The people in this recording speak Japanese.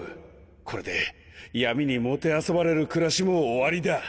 これで闇にもてあそばれる暮らしも終わりだ。